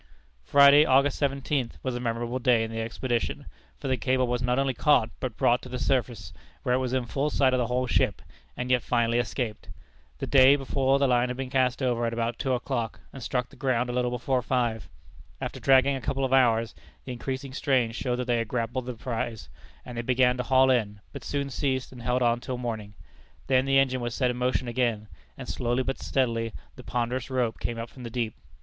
Friday, August 17th, was a memorable day in the expedition, for the cable was not only caught, but brought to the surface, where it was in full sight of the whole ship, and yet finally escaped. The day before the line had been cast over, at about two o'clock, and struck the ground a little before five. After dragging a couple of hours, the increasing strain showed that they had grappled the prize, and they began to haul in, but soon ceased, and held on till morning. Then the engine was set in motion again, and slowly but steadily the ponderous rope came up from the deep.